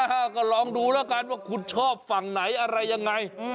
ก็ลองดูแล้วกันว่าคุณชอบฝั่งไหนอะไรยังไง